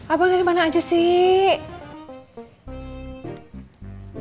abang dari mana aja sih